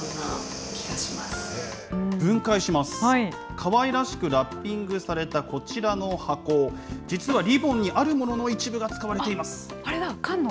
かわいらしくラッピングされたこちらの箱、実はリボンにあるものの一部が使われています。